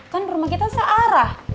kan rumah kita searah